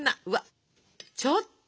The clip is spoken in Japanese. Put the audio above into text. ちょっと！